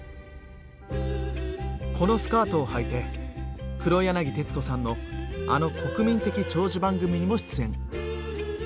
このスカートをはいて黒柳徹子さんのあの国民的長寿番組にも出演。